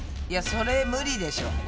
いやそれ無理でしょ。